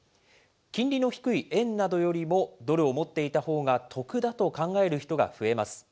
金利の低い円などよりもドルを持っていたほうが得だと考える人が増えます。